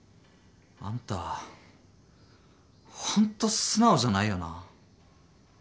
あんたほんと素直じゃないよな。